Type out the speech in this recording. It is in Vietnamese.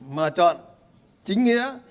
mà chọn chính nghĩa